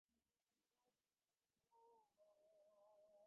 এ বাস্তবতায় বুদ্ধের সেই মহান বাণী স্মরণ করা প্রয়োজন।